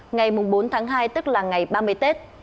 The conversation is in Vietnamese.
ngày bốn tháng hai tức là ngày ba mươi tết